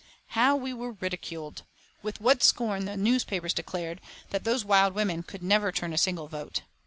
How we were ridiculed! With what scorn the newspapers declared that "those wild women" could never turn a single vote.